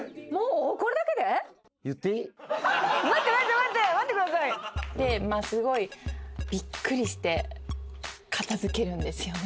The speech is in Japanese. でまあすごいびっくりして片づけるんですよね